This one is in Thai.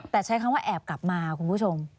แต่ใช้คำว่าแอบกลับมาคุณผู้ชม